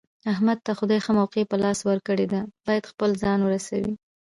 احمد ته خدای ښه موقع په لاس ورکړې ده، باید خپل ځان ورسوي.